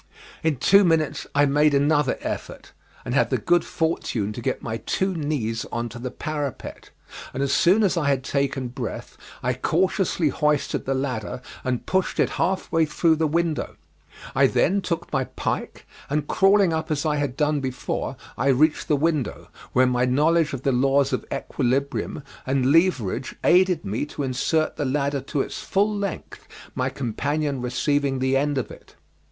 In two minutes I made another effort, and had the good fortune to get my two knees on to the parapet, and as soon as I had taken breath I cautiously hoisted the ladder and pushed it half way through the window. I then took my pike, and crawling up as I had done before I reached the window, where my knowledge of the laws of equilibrium and leverage aided me to insert the ladder to its full length, my companion receiving the end of it.